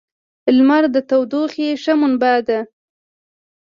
• لمر د تودوخې ښه منبع ده.